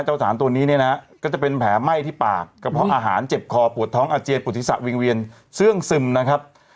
สารตัวนี้เนี่ยนะก็จะเป็นแผลไหม้ที่ปากกระเพาะอาหารเจ็บคอปวดท้องอาเจียนปวดศีรษะวิงเวียนเสื้องซึมนะครับ